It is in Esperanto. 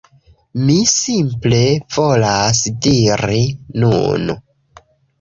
Mi simple volas diri nun